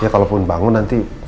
kalaupun bangun nanti